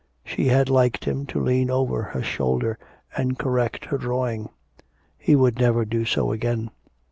She had liked him to lean over her shoulder, and correct her drawing. He would never do so again.